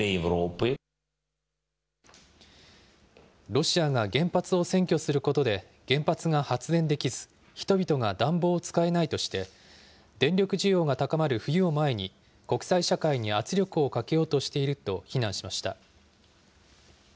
ロシアが原発を占拠することで、原発が発電できず、人々が暖房を使えないとして、電力需要が高まる冬を前に、国際社会に圧力をかけようとしていると非難しました。